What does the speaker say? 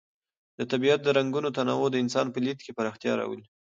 د طبیعت د رنګونو تنوع د انسان په لید کې پراختیا راولي.